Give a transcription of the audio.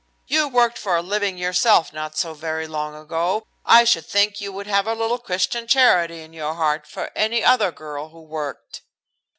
You worked for a living yourself not so very long ago. I should think you would have a little Christian charity in your heart for any other girl who worked."